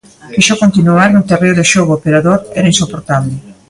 Quixo continuar no terreo de xogo, pero a dor era insoportable.